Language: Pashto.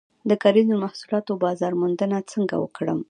د کرنیزو محصولاتو بازار موندنه څنګه وکړم؟